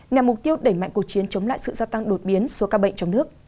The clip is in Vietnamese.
nhằm mục tiêu đẩy mạnh cuộc chiến chống lại sự gia tăng đột biến số ca bệnh trong nước